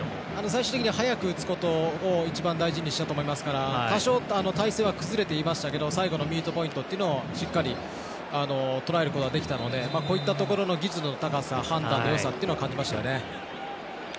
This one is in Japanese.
最終的には速く打つことを大事にしたと思いますから多少、体勢は崩れていましたけど最後のミートポイントというのをしっかり捉えることができたのでこういったところの技術の高さ判断のよさというのを感じましたよね。